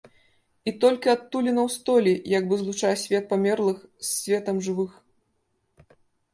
І толькі адтуліна ў столі як бы злучае свет памерлых з светам жывых.